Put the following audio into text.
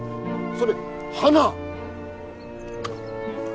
それ花！